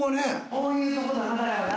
こういうとこの中だよな。